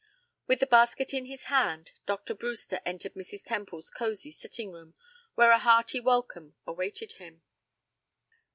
With the basket in his hand, Dr. Brewster entered Mrs. Temple's cozy sitting room, where a hearty welcome awaited him.